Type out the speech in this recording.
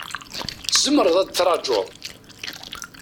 Tzemreḍ ad trajuḍ.